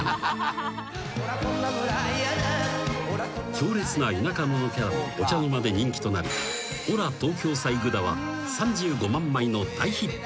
［強烈な田舎者キャラもお茶の間で人気となり『俺ら東京さ行ぐだ』は３５万枚の大ヒット］